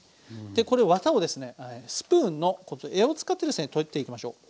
でこれワタをですねスプーンの柄を使ってですね取っていきましょう。